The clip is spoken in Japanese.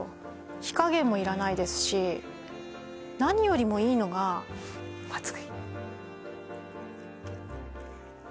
火加減もいらないですし何よりもいいのが熱い？